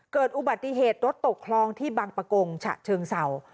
เกิดอุบัติเหตุรถตกคลองที่บังปะกงฉะเชิงเศร้า